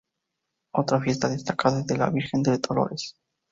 Otra fiesta destacada es la de la Virgen de los Dolores.